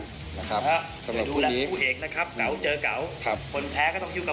เดี๋ยวดูแรกผู้เอกนะครับเก่าเจอกันเก่า